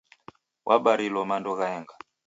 Wabarilo mando ghaenga.